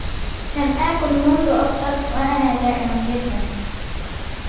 لم آكل مذ أفطرت ، وأنا جائع جدا.